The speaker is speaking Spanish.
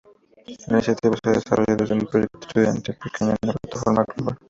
La iniciativa se desarrolló desde un proyecto estudiantil pequeño a una plataforma global.